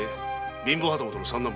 貧乏旗本の三男坊だ。